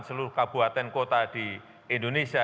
seluruh kabupaten kota di indonesia